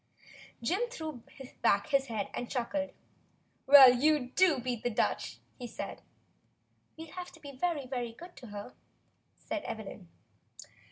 Jim threw back his head and chuckled. "Well, you do beat the Dutch," he said. "We'll have to be very, very good to her," said Evelyn.